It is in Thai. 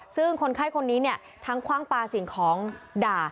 ซึ่งคนไข้คนนี้เนี่ยทั้งคว่างปลาสิ่งของด่า